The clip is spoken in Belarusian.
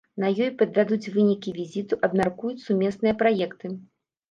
На ёй падвядуць вынікі візіту, абмяркуюць сумесныя праекты.